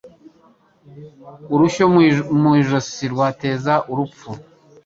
Urusyo mu ijosi rwateza urupfu